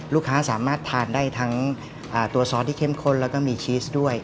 ลูกค้าสามารถทานได้ทั้งตัวซอสที่เข้มข้นแล้วก็มีชีสด้วย